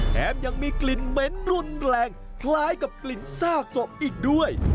แถมยังมีกลิ่นเหม็นรุนแรงคล้ายกับกลิ่นซากศพอีกด้วย